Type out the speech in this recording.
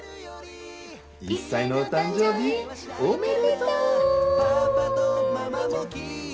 １歳のお誕生日おめでとう！